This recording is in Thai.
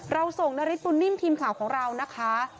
เราส่งนทิพย์ครูนิ่มทีมข่าวของเรานะคะ